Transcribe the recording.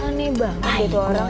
aneh banget gitu orang